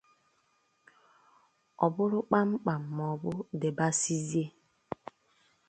ọ bụrụ kpamkpam maọbụ ọ dịbasịzie